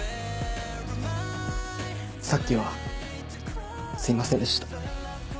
さっきはすいませんでした。